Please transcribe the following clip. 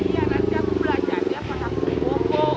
iya nanti aku belajar aja pas aku di bongkok